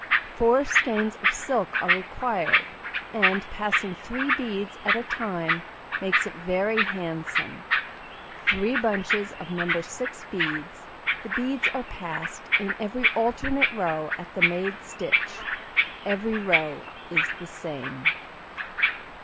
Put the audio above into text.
Four skeins of silk are required, and passing 3 beads at a time makes it very handsome: 3 bunches of No. 6 beads, the beads are passed in every alternate row at the made stitch; every row is the same.